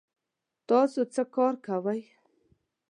تاسو څه کار کوئ؟